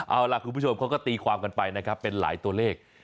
เอาคุณผู้ชมเค้าก็ตีความกันไปเป็นหลายตัวเลข